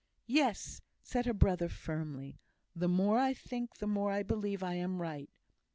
"Yes!" said her brother, firmly. "The more I think, the more I believe I am right.